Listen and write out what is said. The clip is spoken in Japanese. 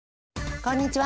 こんにちは。